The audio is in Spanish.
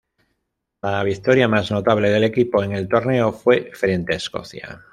La victoria más notable del equipo en el torneo fue frente a Escocia.